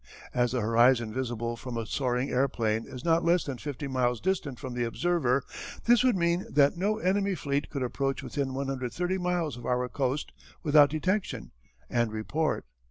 As the horizon visible from a soaring airplane is not less than fifty miles distant from the observer, this would mean that no enemy fleet could approach within 130 miles of our coast without detection and report.